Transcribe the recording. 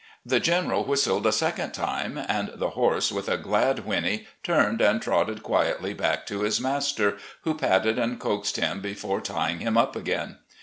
The General whistled a second time, and the horse with a glad whinny turned and trotted quietly back to his master, who patted and coaxed him before tying him up again.